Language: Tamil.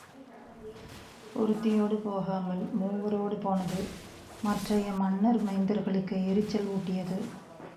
ஒருத்தியோடு போகாமல் மூவரோடு போனது மற்றைய மன்னர் மைந்தர்களுக்கு எரிச்சல் ஊட்டியது.